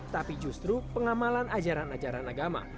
tapi justru pengamalan ajaran ajaran agama